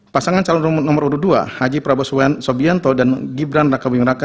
pasangan calon nomor urut dua haji prabowo subianto dan gibran raka buming raka